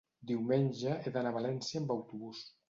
Diumenge he d'anar a València amb autobús.